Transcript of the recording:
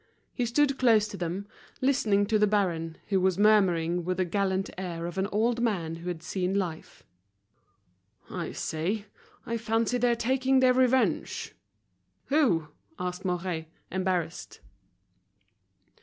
He stood close to them, listening to the baron, who was murmuring with the gallant air of an old man who had seen life: "I say, I fancy they're taking their revenge." "Who?" asked Mouret, embarrassed.